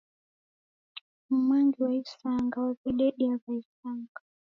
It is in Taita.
M'mangi wa isanga wawededia w'aisanga.